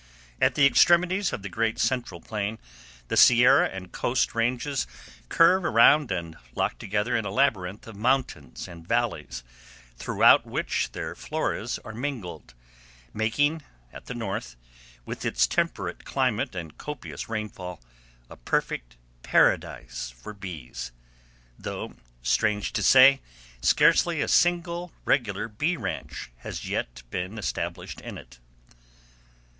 At the extremities of the Great Central Plain, the Sierra and Coast Ranges curve around and lock together in a labyrinth of mountains and valleys, throughout which their floras are mingled, making at the north, with its temperate climate and copious rainfall, a perfect paradise for bees, though, strange to say, scarcely a single regular bee ranch has yet been established in it.